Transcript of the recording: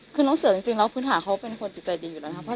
คือน้องเสือจริงเราคืนหาเขาเป็นคนติดใจดีอยู่แล้ว